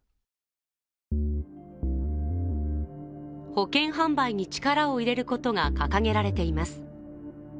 保険販売に力を入れることが掲げられています。